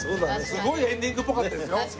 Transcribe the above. すごいエンディングっぽかったですよ。